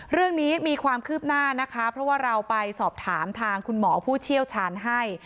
เรื่องนี้มีความคืบหน้านะคะเพราะว่าเราไปสอบถามทางคุณหมอผู้เชี่ยวชาญให้